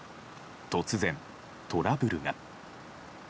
突然、トラブルが。